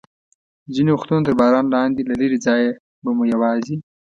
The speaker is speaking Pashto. ځینې وختونه تر باران لاندې، له لرې ځایه به مو یوازې.